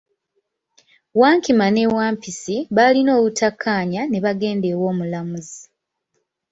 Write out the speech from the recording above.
Wankima ne Wampisi baalina obutakaanya ne bagenda ew'omulamuzi.